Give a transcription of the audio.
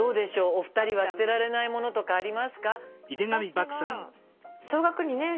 お二人は捨てられないものとかありますか？